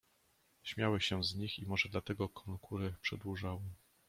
"Śmiały się z nich, i może dlatego konkury przedłużały."